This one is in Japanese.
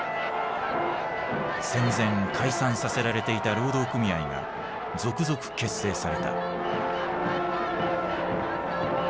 戦前解散させられていた労働組合が続々結成された。